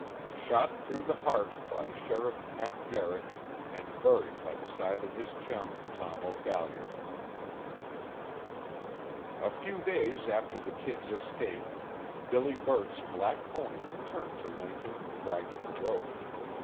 SHOT THROUGH THE HEART BY SHERIFF PAT GARRET, AND BURIED BY THE SIDE OF HIS CHUM, TOM O'PHALLIARD. A few days after the "Kid's" escape, Billy Burt's black pony returned to Lincoln dragging a rope.